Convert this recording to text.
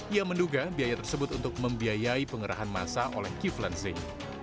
ia menduga biaya tersebut untuk membiayai pengerahan masa oleh kiflan zin